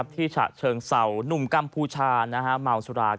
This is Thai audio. ที่เฉียงเสาหนุ่มกัมพูชาเมาสุราคำ